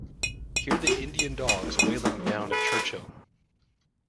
Hear the Indian dogs wailing down at Churchill.